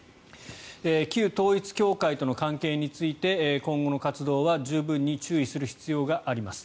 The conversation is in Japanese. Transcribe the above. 旧統一教会との関係について今後の活動は十分に注意する必要があります。